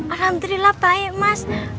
alhamdulillah baik mas